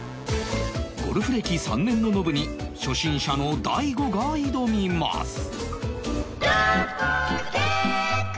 ゴルフ歴３年のノブに初心者の大悟が挑みます